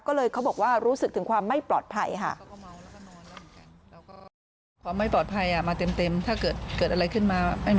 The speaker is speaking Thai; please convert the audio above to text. ก็เลยเขาบอกว่ารู้สึกถึงความไม่ปลอดภัยค่ะ